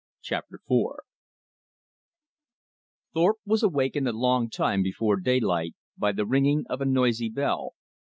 Chapter IV Thorpe was awakened a long time before daylight by the ringing of a noisy bell.